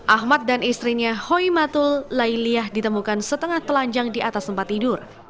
ahmad dan istrinya hoimatul lailiah ditemukan setengah telanjang di atas tempat tidur